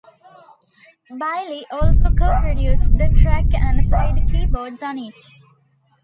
Bailey also co-produced the track and played keyboards on it.